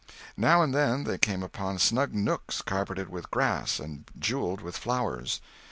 Now and then they came upon snug nooks carpeted with grass and jeweled with flowers.